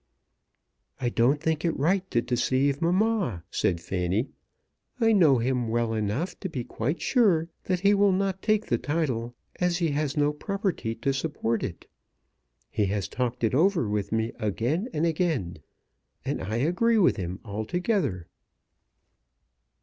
"I don't think it right to deceive Mamma," said Fanny. "I know him well enough to be quite sure that he will not take the title, as he has no property to support it. He has talked it over with me again and again, and I agree with him altogether."